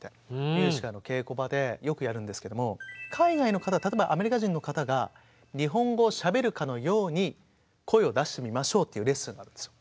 ミュージカルの稽古場でよくやるんですけれども海外の方例えばアメリカ人の方が日本語をしゃべるかのように声を出してみましょうというレッスンがあるんですよ。